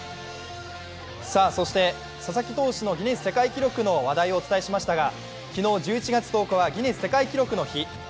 佐々木投手のギネス世界記録の話題をお伝えしましたが昨日１１月１０日はギネス世界記録の日。